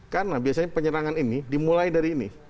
karena biasanya penyerangan ini dimulai dari ini